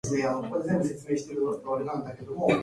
The human toll was very high.